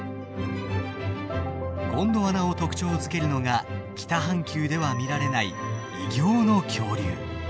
ゴンドワナを特徴づけるのが北半球では見られない異形の恐竜。